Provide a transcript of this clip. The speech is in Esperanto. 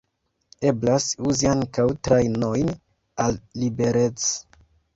Eblas uzi ankaŭ trajnojn al Liberec.